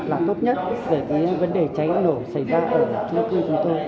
làm tốt nhất giữa những vấn đề cháy nổ xảy ra ở khu trung tư